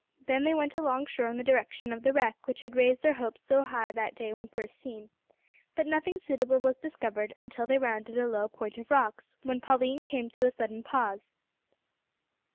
Then they went along shore in the direction of the wreck which had raised their hopes so high that day when first seen, but nothing suitable was discovered until they rounded a low point of rocks, when Pauline came to a sudden pause.